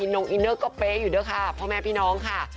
น้องอินเนอร์ก็เป๊ะอยู่ด้วยค่ะพ่อแม่พี่น้องค่ะ